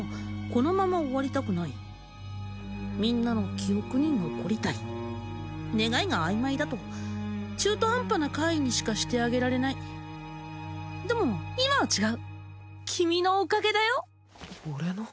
このまま終わりたくないみんなの記憶に残りたい願いが曖昧だと中途半端な怪異にしかしてあげられないでも今は違う君のおかげだよ俺の？